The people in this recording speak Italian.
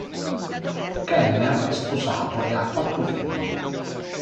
Kellner è sposato e ha quattro figli.